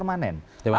yang sifatnya permanen